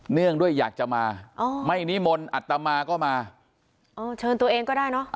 เนื่องด้วยอยากจะมาอ๋อไม่นิมนต์อัตมาก็มาอ๋อเชิญตัวเองก็ได้เนอะ